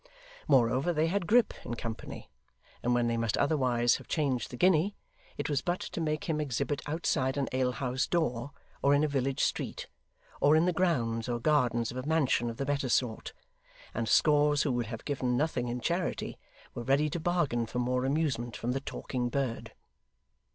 Moreover they had Grip in company; and when they must otherwise have changed the guinea, it was but to make him exhibit outside an alehouse door, or in a village street, or in the grounds or gardens of a mansion of the better sort, and scores who would have given nothing in charity, were ready to bargain for more amusement from the talking bird.